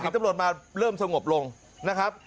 ตำรวจมาเริ่มสงบลงนะครับ